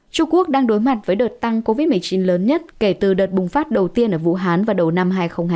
trung quốc đang đối mặt với đợt tăng covid một mươi chín lớn nhất kể từ đợt bùng phát đầu tiên ở vũ hán vào đầu năm hai nghìn hai mươi